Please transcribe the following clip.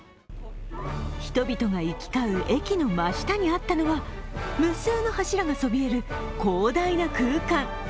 人々が行き交う駅の真下にあったのは無数の柱がそびえる広大な空間。